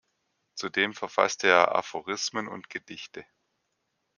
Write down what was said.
Zudem verfasste er Aphorismen und Gedichte.